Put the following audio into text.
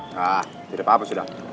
nah tidak apa apa sudah